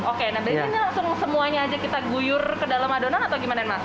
oke nah berarti ini langsung semuanya aja kita guyur ke dalam adonan atau gimana nih mas